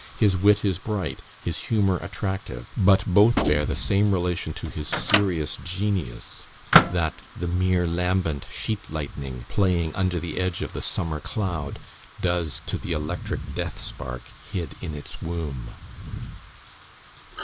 ... His wit is bright, his humour attractive, but both bear the same relation to his serious genius, that the mere lambent sheet lightning, playing under the edge of the summer cloud, does to the electric death spark hid in its womb."